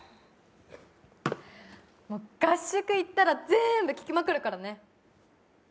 もう、合宿行ったら全部聞きまくるからね。